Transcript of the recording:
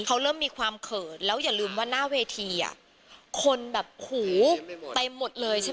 เค้าเริ่มมีความเขินแล้วยังลืมว่าหน้าเวทีอ่ะคนแบบหูไปหมดเลย